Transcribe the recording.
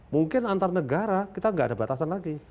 mungkin antar negara kita nggak ada batasan lagi